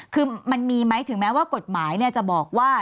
คือมันมีไหมถึงแม้ว่ากฎหมายจะบอกว่า